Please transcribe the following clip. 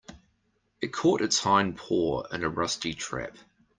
It caught its hind paw in a rusty trap.